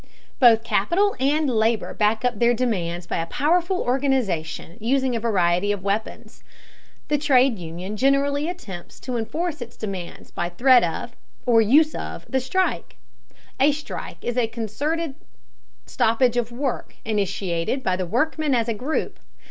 Both capital and labor back up their demands by a powerful organization using a variety of weapons. The trade union generally attempts to enforce its demands by threat of, or use of, the strike. A strike is a concerted stoppage of work initiated by the workmen as a group.